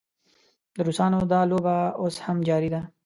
د روسانو دا لوبه اوس هم جاري ده.